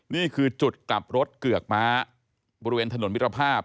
นี่คือจุดกลับรถเกือกม้าบริเวณถนนมิตรภาพ